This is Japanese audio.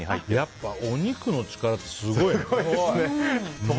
やっぱお肉の力ってすごいね。